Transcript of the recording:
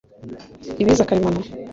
ibiza karemano